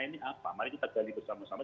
ini apa mari kita gali bersama sama